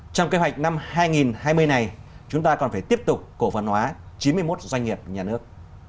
trong kế hoạch năm hai nghìn hai mươi này chúng ta còn phải tiếp tục cổ phần hóa chín mươi một doanh nghiệp nhà nước